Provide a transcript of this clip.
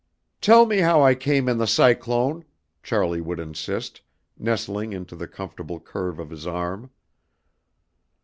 "Tell me how I came in the cyclone," Charlie would insist, nestling into the comfortable curve of his arm.